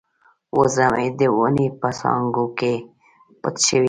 وزه مې د ونې په څانګو کې پټه شوې ده.